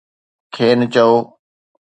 کين چئو.